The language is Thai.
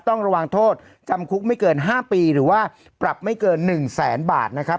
ต้องระวังโทษจำคุกไม่เกิน๕ปีหรือว่าปรับไม่เกิน๑แสนบาทนะครับ